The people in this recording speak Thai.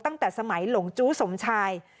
ตั้งแต่สมัยหลงจู้สมชาย